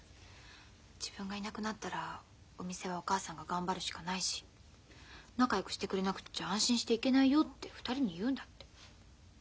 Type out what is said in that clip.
自分がいなくなったらお店はお母さんが頑張るしかないし仲よくしてくれなくっちゃ安心して行けないよって２人に言うんだって。